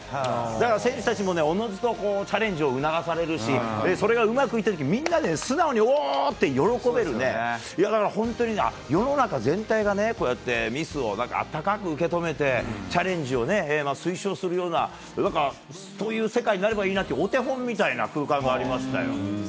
だから選手たちもね、おのずとチャレンジを促されるし、それがうまくいったとき、みんなで素直におーって喜べるね、いやだから、本当にね、世の中全体がね、こうやってミスをあったかく受け止めて、チャレンジを推奨するような、なんかそういう世界になればいいなって、お手本みたいな空間がありましたよ。